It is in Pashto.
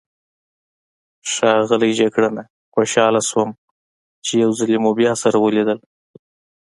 ښاغلی جګړنه، خوشحاله شوم چې یو ځلي مو بیا سره ولیدل.